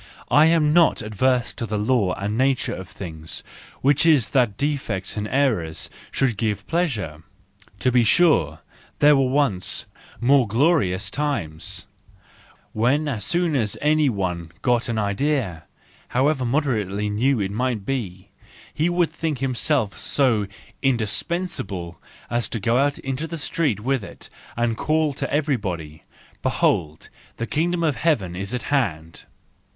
I am not averse to the law and nature of things* which is that defects and errors should give pleasure!—To be sure there were once 'more glorious J times, when as soon as any one got an idea, however moderately new it might be, he would think him¬ self so indispensable as to go out into the street with it, and call to everybody: ' Behold! the kingdom of heaven is at hand!